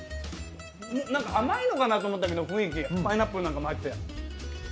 甘いのかなと思ったのけど、雰囲気、パイナップルも入ってるから。